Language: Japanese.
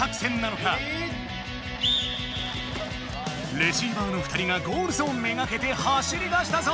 レシーバーの２人がゴールゾーン目がけて走りだしたぞ！